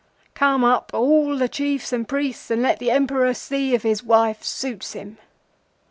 'Call up all the Chiefs and priests, and let the Emperor see if his wife suits him.